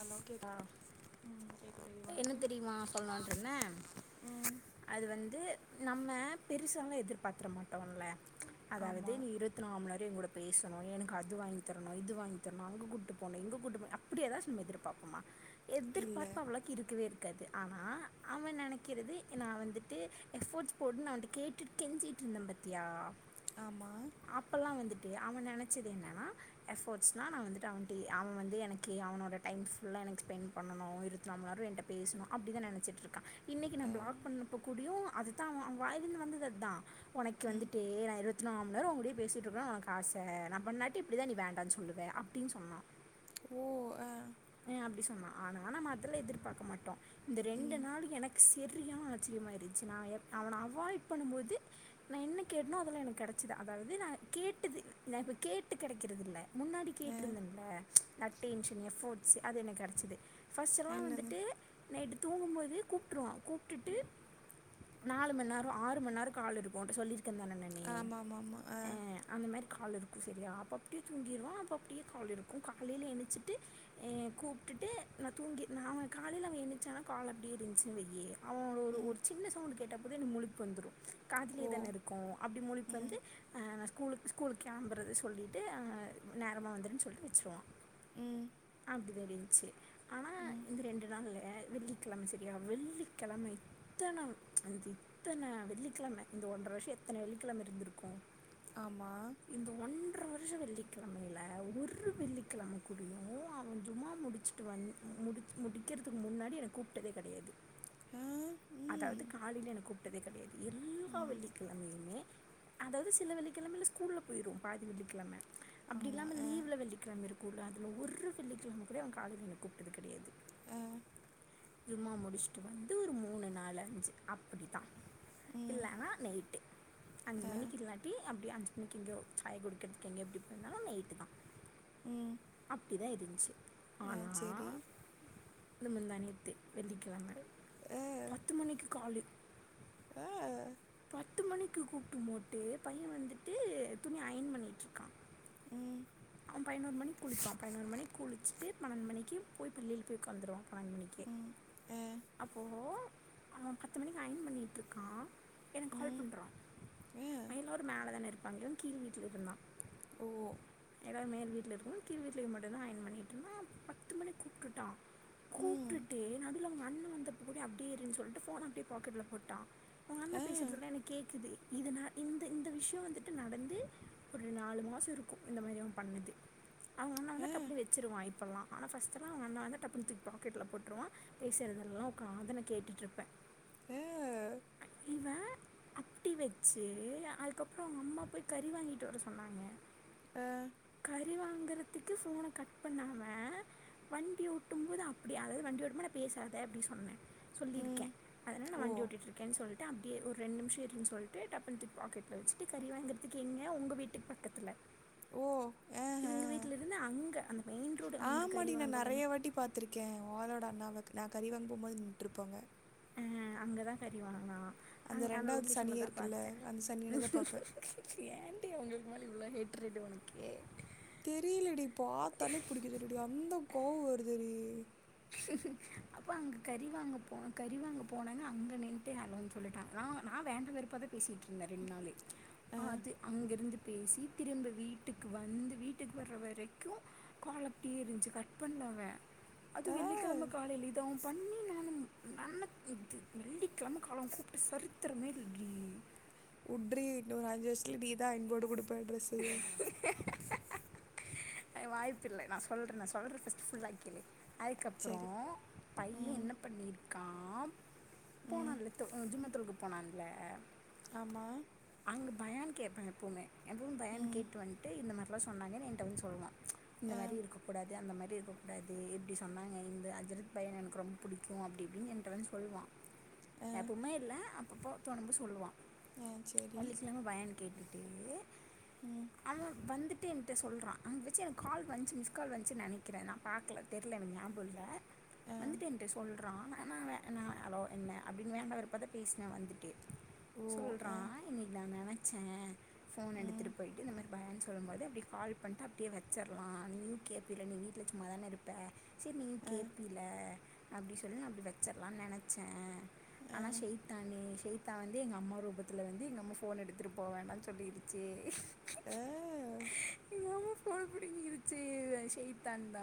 Hello cake ம் cake என்ன தெரிமா சொல்ணுன்ட்ருந்த ம் அது வந்து நம்ம பெருசாலா எதிர்பாத்திடமாட்டோல ஆமா அதாவது நீ இருவத்திநாம்ல என் கூட பேசுணு எனக்கு அது வாங்கி தரணு இது வாங்கி தரணு அங்க கூட்டு போணு இங்க கூட்டு போணு அப்டியே தா எதிர்பாப் மா இல்ல எதிர்பார்ப்பவளா க்கவே இருக்காது ஆனா அவன் நெனைக்கிறது நா வந்துட்டு எஃபர்ட்ஸ் போடுனு நா வன்ட்டு கேட்டுக்கே பென்சிட்டு ருந்தன் பாத்தியா ஆமா ட்டு அவன் நெனச்சது என்னானா எஃபர்ட்ஸ்னா நா வந்துட்டு அவன்ட்டு அவன் வந்து எனக்கு அவனோட டைம் ஃபுல்லா எனக்கு ஸ்பெண்ட் பண்ணுனும் ரொம்ப நேரோ என்ட்ட பேசுணு அப்டிதா நெனைச்சிட்ருக்கான் இன்னிக்கு நா அ பிளாக் பண்ணப்பக்கூடியு அதுத்தா அவ் அவுங் வாயிலந்து வந்தது அதுதா உனக்கு ம் வந்துட்டு நா இருவத் நாம் நேரோ உங்குடயே பேசிட்ருக்குனு உனக்கு ஆச நா பண்ணாட்டு இப்டிதா நீ வேண்டான்னு சொல்லுவே அப்டின்னு சொன்னா ஓ அ ன் அப்டி சொன்னா ஆனா நா அதுல்லா எதிர் பாக்க மாட்டோ இந்த ரெண்டு ம் நாளும் எனக்கு தெரியான ஆச்சிரியமாயிருச்சு நா எ அவன அவாய்ட் பண்ணும்போது நா என்ன கேட்ணோ அதெல்லா எனக் கெடச்சிது அதாது நா கேட்டுது நா இப்ப கேட்டு கெடைக்குறதில்ல முன்னாடி அ கேட்ருந்தன்ல்ல அட்டென்ஷன் எஃப்போர்ட்ஸ் அது எனக் கெடச்சது ஃபஸ்செல்லா என்னது வந்துட்டு நைட்டு தூங்கும்போது கூப்ட்ருவோ கூப்ட்டுட்டு நாலு மண் நேரோ ஆறு மண் நேரோ கால் இருக்கு உன்ட சொல்லிருக் ஆமா மா மா அ அந்த மாதிரி கால் இருக்கு செரியா அப்ப அப்டியே தூங்கிருவோ அப்ப அப்டியே கால் இருக்கும் காலையில எணிச்சிட்டு எ கூப்ட்டுட்டு நா தூங்கி நா அவன காலையில அவன் எணுச்சனா கால் அப்டி இருந்துச்சின் வெயி அவ் ஓட ஒர் ம் ஒரு சின்ன சவுண்ட் கேட்டா கூட எனக்கு முழிப்பு வந்துரும் காதுலயே ஓ தானே இருக்கும் அப்டி முழிப்பு ம் வந்து அ நா குலுக்கு ஸ்கூலுக்கு கெளம்பறது சொல்லிட்டு அ நேரமா வந்துருனு சொல்ட்டு வச்சுருவோ ம் தெரிஞ்சு ஆனா ம் இந்த ரெண்டு நாள்ல வெள்ளிக்கெழம சரியா வெள்ளிக்கெழம இத்தன அந்த இத்தன வெள்ளிக்கெழம இந்த ஒன்ற வருஷொ எத்தன வெள்ளிக்கெழம இருந்துருக்கும் ஆமா ன்ற வருஷொ வெள்ளிக்கெழமையில ஒரு வெள்ளிக்கெழமக்குடியு அவன் ஜும்மா முடிச்சுட்டு வந் முடி முடிக்றதுக் முன்னாடி எனக் கூப்ட்டதே கெடையாது அ ம் அதாவ்து காலில எனக் கூப்ட்டதே கெடையாது எல்லா ம் வெள்ளிக்கெழமையுமே அதாவ்து சில வெள்ளிக்கெழமையில ஸ்கூல்ல போயிரு பாதி வெள்ளிக்கெழம அப்டி ஆமா இல்லாம அ லீவ்ல வெள்ளிக்கெழம இருக்குல அதுல ஒரு வெள்ளிக்கெழம கூட அவன் காலையில என்ன கூப்ட்டது கெடையாது அ ஜூம்மா முடிச்சுட்டு வந்து ஒரு மூணு நாலு அஞ்சு அப்டிதா ம் இல்லனா நைட்டு அஞ்சு அ மணிக்கு இல்லாட்டி அப்டி அஞ்சு எங்யோ சாயா குடிக்றதுக் எங்கயோ எப்டி போயிந்தாலு நைட் தான் ம் அப் டி தா இருந்துச்சு அ ஆனா செரி இது முந்தா நேத்து வெள்ளிக்கெழம அ பத்து மணிக்கு காலு அ பத்து மணிக்கு கூப்ட்டு மோட்டு பயன் வந்துட்டு துணி அயன் பண்ணிட்டு இருக்கான் ம் அவன் பய்னொரு மணி குளிப்பா பய்னொரு மணி குளிச்சுட்டு பனெண்ட் மணிக்கு போய் பள்ளியில போய் ஒக்காந்துருவா பனெண்ட் மணிக்கே ம் அ அப்போ அவன் பத்து மணிக்கு அயன் பண்ணிட்டு இருக்கான் எனக்கு கால் ம் பண்றான் அ எல்லாரு மேல தானே இருப்பாங்ளுன் கீழ் வீட்ல இருந்தான் ஓ எல்லாரு மேல் வீட்ல இருக்குனு கீழ் வீட்ல இவன் மட்டுந்தான் அயன் பண்ணிட்டு இருந்தான் பத்து மணிக்கு கூப்ட்டுட்டான் ம் கூப்ட்டுட்டு நடுவுல அவங்க அண்ணன் வந்தப்ப கூடியே அப்டியே இருனு சொல்லிட்டு போன அப்டியே பாக்கெட்ல போட்டான் அ பேசுறதலா எனக் கேக்குது இது ந இந் இந்த விஷ்யம் வந்துட்டு நடந்து ஒரு நாலு மாசம் இருக்கும் இந்த மாரி அவன் பண்ணது அவங்கண்ணா ஆ வந்துட்டாப் வச்சுடுவான் இப்போலா ஆனா ஃபர்ஸ்ட் எல்லா அவன் அண்ணன் வந்தா டப்புனு தூக்கி பாக்கெட்ல போட்ருவான் பேசுறதெல்லா ஒக்காந்து நா கேட்டுட்டு இருப்பேன். எ வே அப்டி வெச்சு அதுக்கப்பறோ அவ்ங்கம்மா போய் கறி வாங்கிட்டு வர சொன்னாங்க ஆ கறி வாங்கறக் துக்கு போன கட் பண்ணாம வண்டி ஓட்டு போது அப்டியே அதாது வண்டி ஓட்டு போது நா பேசாத அப்டி சொன்னே சொல்லிருக்கே ம் அதனால நா ஓ வண்டி ஓட்டிட்ருக்கே சொல் ட்டு அப்டியே ஒரு ரெண்டு நிம்ஷோ இருன் சொல்ட்டு டப்புன் தூக் பாக்கெட்ல வெச்சிட்டு கறி வாங்குறதுக்கு எங்கே உங்க வீட்டுக் பக்கத்தில ஓ ஏ ஏ அங்கே அந்த மெயின் ரோடு அங்கே கறி ஆமாடி நா வாங்க வந்து நெறையா வாட்டி பாத்திருக்கே உ ஆளோட அண்ணாவ நா கறி வாங் போம்போது நின்ட்ருப்பாங்க ஆ அங்கதா கறிவாங்கனா அ அந்த ரெண்டாவது லொகேஷன்ல சனியே தா இருக்குல்ல பாத்தே அந்த சனியனை தான் பார்ப்பேன் ஏன்டி அவங்களுக்கு உம்மேல இவ்ளோ ஹெட் ரேட்டு் உனக்கே தெரிலடி பாத்தாலே புடிக்கிலடிடி அந்த கோவோ வருதுடி அப்போ அங்க கறிவாங்க போ கறிவாங்க போனேனு அங்க நின்ட்டே ஹலோன் சொல்லிட்டா நா நா நா வேண்ட வெறுப்பா தா பேசிட்ருந்தே ரெண் நாளு ஆ அது அங்கிருந்து பேசி திரும்ப வீட்டுக் வந்து வீட்டுக் வர்ற வரைக்கு கா ல் அப்டியே இருந்ச்சு கட் பண்ணல அவே அது ஆ வெள்ளிக்கிழம காலைல இது அவ பண்ணி நானும் நல்ல இது வெள்ளிக்கிழம காலம் கூப்ட்டு சரித்திரமே இல்லடி உட்ரி இன்னு ஒரு அஞ்சு வர்ஷத்ல நீதா ஐன்போட்டு குடுப்பே ட்ரெஸ்யே எ வாய்ப்பில்ல நா சொல்ட்ற நா சொல்ட்ற ஃபஸ்ட் ஃபுல்லா கேலு அதுக்கப்றோ சரி பைய்யே ம் என்ன பண்ணிருக்கா ம் போனான்ல்ல தொ ஜும்மா தொழுக போனான்ல்ல ஆமா பயான் கேப்பே எப்போமே எப்பவ் பயான் ம் கேட்டு வந்துட்டு இந்த மார்லா சொன்னாங்க என்ட்ட வந்து சொல்வா இந்த ஆ மாரி இருக்கக்கூடாது அந்த மாரி இருக்கக்கூடாது இப்டி சொன்னாங்க இந்த அஜ்ரத் பைய்யன எனக் ரொம் புடிக் கு அப்டி இப்டின் என்ட்ட வந்து சொல்வா ஆ எப்வுமே இல்ல அப்பப்போ தோணு போத் சொல்வா ஆ சரி வெள்ளிக்கிழம பயான் கேட்டுட்டு ம் அவ வந்துட் டு என்ட்ட சொல்றா அங்க வெச்சு எனக் கால் வந்ச்சு மிஸ் கால் வந்ச்சு நெனைக்கிறே நா பாக்கல தெர்ல எனக் ஞாபகில்ல ஆ வந்துட்டு என்ட்ட சொல்றா ஆனா அவே நா அலோ என்ன அப்டின் வேண்டா வெருப்பதா பேஸ்னே வந்துட்டு ஓ சொல்றா ஆ இன்னிக் நா நெனைச்சே போன் ம், எடுத்துட்டு போயிட்டு இந்த மாரி பயான்ஸ் சொல்லுபோது அப்டியே கால் பண்ட்டு அப்டியே வெச்சர்லா நீயு கேப்பில்ல நீ வீட்ல சும்மா தானே இருப்பே செரி நீயு அ, கேப்பில்ல அப்டி சொல்லி நா அப்டி வெச்சர்லான் நெனச்சே அ, ஆனா செய்த்தானு செய்த்தா வந்து எங்கம்மா ரூபத்தில வந்து எங்கம்மா போன எடுத்துட்டு போ வேண்டான் சொல்லிருச்சு ஏ போன புடிங்கி கிருச்சு இது செய்த்தான் தா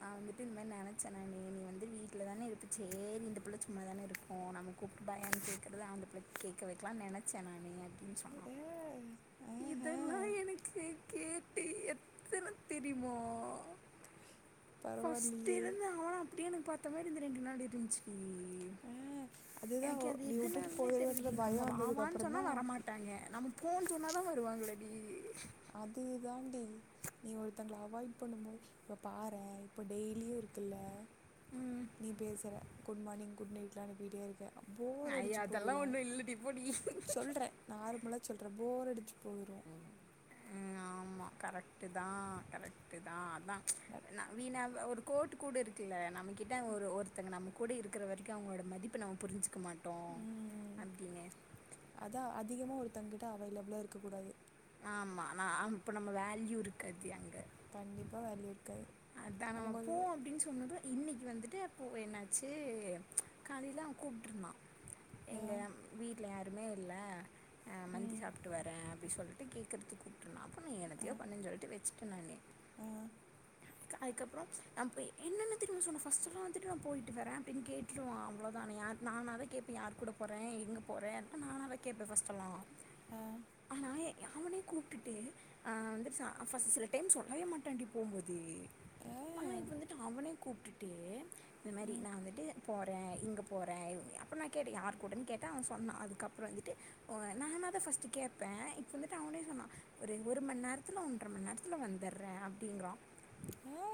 நா வந்துட்டு இந்தமேர் நெனைச்சே நானு நீ வந்து வீட்ல தானே இருப்ப சேரி இந்த புள்ள சும்மா தானே இருக்கு நாம கூப்ட்டு பயான் கேக்கறது அந்த புள்ளைக் கேக்க வெக்லா நெனச்சே நானு அ ப்டின் சொன்னா அ, ஆஹா, இதெல்லா எனக்கு கேட் டு எத்தன தெரிமா பரவாயில்லையே ஃபஸ்ட்டிருந்த அவனா அப்டியே எனக் பாத்த மாரி இந்த ரெண்டு நாள் இருந்ச்சி டி ஆ, அதுதான் எனக் ஒ- அது நீ விட்டுட்டு எதுனால்னே தெர்ல போயிடுவேன்ற டி நம்ம பயம் வா வந்ததுக்கு வான் சொன்னா அப்புறம்தான் வரமாட்டாய்ங்க நம்ம போன் சொன்ன தா வருவாங்ளா டி அது தாண்டி நீ ஒருத்தங்கள அவாய்ட் பண்ணு போது இப்ப பாறே இப்ப டெய்லியு இருக்குல்ல ம் நீ பேசற குட் மார்னிங் குட் நைட்லா அனுப்பிட்டே இருக்க ஐயா போரடிச்சு அதெல்லாம் போயிரு ஒன்றும் இல்லடி போடி சொல்றே நார்மலா சொல்றே போர் அடி ச்சு போயிரு ம் ஆமா கரெக்ட்டு தா க்ரெக்ட்டு தா அதா நா வீணா ஒரு கோட்டு கூட இருக்குல்ல நம்மகிட்ட ஒரு ஒருத்தங்க நம்ம கூட இருக்கற வரைக்கு அவ்ங்ளோட மதிப்பு நம்ம புரிஞ்சு க்க மாட்டோ ம் அப்டினு தங்கிட்ட அவைலபுலா இருக்கக் கூடாது ஆமா நா இப்ப நம்ம வேல்யூ இருக்காது அங்க கண்டிப்பா வேல்யு இரு அதா நம்ம போவோ அப்டின் சொன்னது இன்னக்கி வந்துட்டு அப்போ என்னாச்சி காலைல அவ கூப்ட்ருந்தா ஆ எங்க அம் வீட்ல யாருமே இல்ல ஆ மந்தி ம் சாப்ட்டு வர்ற டி சொல்ட்டு கேக்கற்த்துக் கூப்ட்ருந்தா அப்ப நீ ஆ என்னத்தையோ பண்ணுன் சொல்ட்டு வெச்சிட்ட நானு ஆ க்க அதுக்கப்றொ நாம்போய் என்னென்ன தெரிமா சொன்னா ஃபஸ்ட்டுல்லா வந்துட்டு நா போயிட்டு வர்ற அப்டின் கேட்ருவா அவ்ளோதா நியார் நானாத கேப்பே யார் கூட போற எங்க போற நானாதா கேப்ப ஃபஸ்ட்டல்லா ஆ ஏய் அ அவனே கூப்ட்டுட்டு ஆ வந்துடு சா ஃபஸ் சில டைம் சொல்லவே மாட்டாண்டி போம்போத் து ஆ ஆனா இப்ப வந்துட்டு அவனே கூப்ட்டுட்டு இந்த மேரி ம் நா வந்துட்டு போறே இங்க போறே இவ் அப்ப நா கேட்ட யார் கூடன் கேட்டா அவ சொன்னா அதுக்கப்றொ வந்துட்டு ஓ நானா தா ஃபஸ்ட்டு கேப்ப இப்ப வந்துட் டு அவனே சொன்னா ரெ ஒரு மண் நேரத்துல ஒன்ற மண் நேரத்துல வந்தர்றே அப்டிங்றா ஆ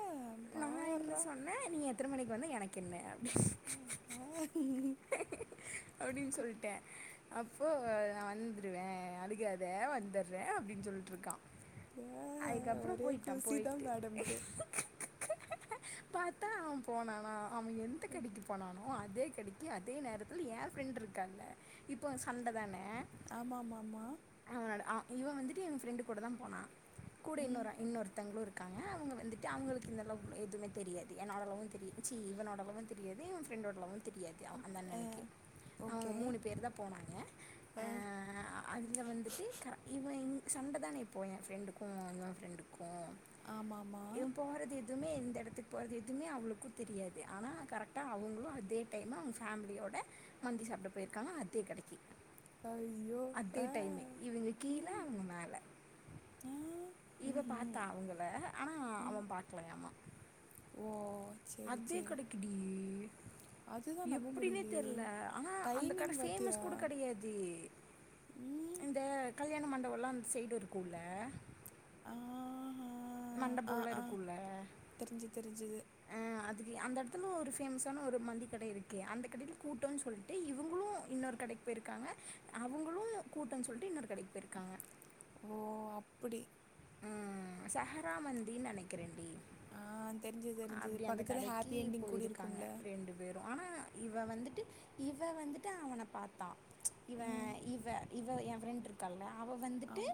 நா என்ன பார்றா சொன்ன நீ எத்தன மணிக்கு வந்தா எனக்கென்ன ஆ ஆ அப்டின் சொல்ட்டே அப்போ நா வந்த்ருவே அழுகாத வந்துர்ற அப்டின் சொல்ட்ருக்கா அதுக்கப்றொ போயிட்டா போய்ட்டு டம்க்கு பாத்தா அவ போனானா அவ எந்த கடக்கி போனானோ ஓ அதே கடக்கி அதே நேரத்துல் ஏ ஃப்ரெண்ட் இருக்கான்ல இப்போ சண்ட தான ஆமா ஆமாமா ஆ இவ வந்துட்டு எங் ஃப்ரெண்டு கூட தா போனா கூட ம் இன்னொரு அ இன்னொருத்தங்ளு இருக் காங்க அவுங்க வந்துட்டு அவுங்களுக்கு இந்த லவ் எதுமே தெரியாது என்னோட லவ்வு தெரி சீ இவனோட லவ்வு தெரியாது இவ ஃப்ரெண்டோட லவ்வு தெரியாது அ அந்த ஆ அண்ணனுக்கு அவங்க ஓகே மூணு பேர்தா போனாய்ங்க ஆ அ அங்க வந்துட்டு க இவ இங் சண்ட தான இப்போ ஏ ஃப்ரெண்டுக்கு இவ ஃப்ரெண்டுக்கு ஆமா ஆமா எதுமே எந்த எடத்துக் போரது எதுமே அவ்ங்களுக்கு தெரியாது ஆனா கரெக்ட்டா அவுங்களு அதே டைமு அவ்ங் ஃபேம்லியோ ட மந்தி சாப்ட போயிருக்காங்க அதே கடக்கி ஐயோ அதே ஆ டைமே இவங்க கீழ ம் அவுங்க மேல ஆ இவ பாத்தா ம்ஹூம் அவுங்கள ஆனா ம் அவ பாக்லையாமா ஓ சரி அதே சரி கடக்கி டீ அதுதான் நம்ப எப்டினே முடியலையே தெர்ல ஆனா அந்த கட டைமிங் பார்த்தியா ஃபேமஸ் கூட கடையாது ம் இந்த கல்யாண மண்டவொல்லா அந்த சைட் இருக்குல்ல ஆ மண்டபொல்லா ஆ. இருக்குல்ல தெரிஞ்சு தெரிஞ்சது. அ அதுக் அந்த எடத்துல ஒரு ஃபேமஸான ஒரு மந்திக் கட இருக்கு அந்த கடைல கூட்டோன் சொல்ட்டு இவுங்குளு இன்னொரு கடைக் போயிருக்காங்க அவுங்குளு கூட்டோன் சொல்ட்டு இன்னொரு கடைக்கி போய்ருக்காங்க ஓ அப்டி ஆ சஹரா மந்தின் நெனக்கிறன் டீ ஆ தெரிஞ்சது தெரிஞ்சது. அப்டி அந்த பக்கத்துல கடைக்கி ஹாப்பி என்டிங் கூடி போயிருக்காங்க இருக்கும்ல. ரெண்டு பேரு ஆனா இவ வந்துட்டு இவ வந்துட்டு அவன பாத்தா இவ ம். இவ இவ ஏ ஃப்ரெண்ட் இருக்கால்ல அவ வந்துட்டு ஆம்.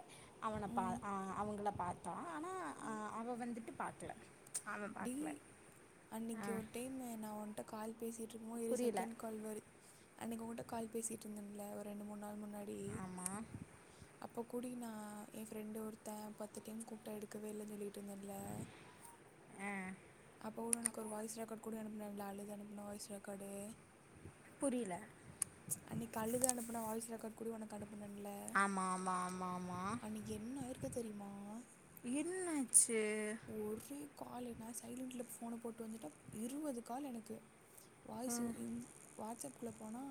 அவன பா ம். ஆ அவங்கள பாத்தா ஆனா ஆ அவ வந்துட்டு பாக்ல அவ பாக்ல அன்னக்கி ஒரு டைமு நா ஓன்ட்ட கால் பேசிட்ருக்கம்மோ இரி புரியல செகேண் கால் வரு அன்னக்கி ஓங்ட்ட கால் பேசிட்ருந்தன்ல ஒரு ரெண்டு மூண் நாள் முன்னாடி ஆமாம் அப்போ கூடி நா எ ஃப்ரெண்டு ஒருத்த பத்து டைம் கூப்ட்ட எடுக்கவே இல்லன் சொல்லிட்ருந்தன்ல ப்போ உனக்கு ஒரு வாய்ஸ் ரெக்கார்டு கூட அனுப்புனன்ல அழுது அனுப்ன வாய்ஸ் ரெக்காடு புரியல அன்னைக் அழுது அனுப்புன வாய்ஸ் ரெக்கார்ட் கூடி உனக்கு அனுப் னன்ல ஆமாம் ஆமாம் ஆமாம் ஆமாம் அன்னிக்கு என்ன ஆயிருக்கு தெரிமா என்னாச்சு ஒரே காலு நா சைலன்ட்ல ஃபோன போட்டு வந்துட்ட இருவது கால் எனக்கு ஆ வாய்ஸு இ வாட்ஸ்அப் ள்ளே போனா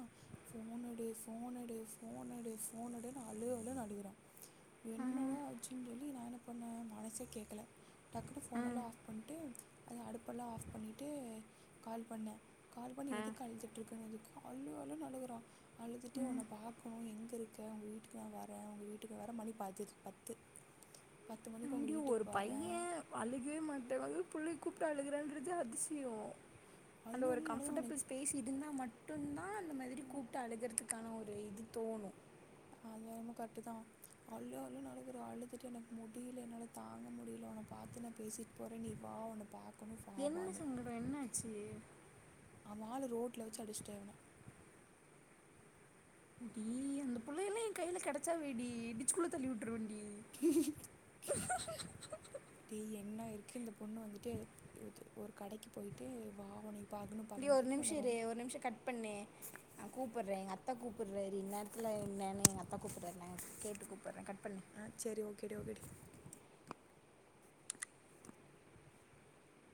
ஃபோனெடு ஃபோனெடு ஃபோனெடு ஃபோனெடுன் அழு அழுன் அழுகறா ஆ என்னடா ஆச்சுன் சொல்லி நா என்ன பண்ணே மனசே கேக்கல டக்குனு ஆ ஃபோனெல்லா ஆஃப் பண்ட்டு அது அடுப்பல்லா ஆஃப் பண்ணிட்டு கால் பண்ண கால் பண்ணி ஆ எதுக்கு அழுதுட்ருக்கனுதுக்கு அழு அழுன் அழுகுறா அழுதுட்டு உன்ன பாக்கணு எங்கிருக் க்க உங்க வீட்டுக்கு நா வரே உங்க வீட்டுக்கு வர மணி பத பத்து பத்து மணிக்கு உங்க அங்கேயும் ஒரு வீட்டுக்கு வர்ற பையன் அழுகவே மாட்ட அது புள்ளைய கூப்ட்டு அழுகுறான்றது அதிசய அந்த அள்ளு ஒரு அள்ளு அழுதவனே கம்ஃபர்டபிள் ஸ்பேஸ் இருந்தா மட்டுந்தா அந்த மாதிரி கூப்ட்டு அழுகறதுக் கான ஒரு இது தோணு அது எனமோ கரெட்டுதா அழு அழுன் அழுகறா அழுதுட்டு எனக்கு முடில என்னால தாங்க முடில உன்ன பாத்து நா பேசிட் போற நீ வா உன்ன பாக் என்ன சங்கட என்னாச்சு அவ ஆளு ரோட்ல வெச்சு அடிச்ட்ட இவன டீ அந்த புள்ளை எல்லா எ கைல கெடச்சா வெய்டி டிச்சுக்குள்ள தள்ளி உட்டுருவண் டீ என்னாயிரு க இந்த பொண்ணு வந்துட்டு து ஒரு கடைக்கு போயிட்டு வா உனை டீ ஒரு நிம்ஷ இரு ஒரு நிம்ஷ கட் பண்ணு நா கூப்படறே எங்க த்த கூப்படறாரு இன்னாரத்துல என்னனு எங்கத்த கூப்படறாங்க கேட்டு கூப்படறே கட் பண்ணு ஆ சரி ஓகேடி ஓகேடி